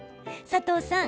佐藤さん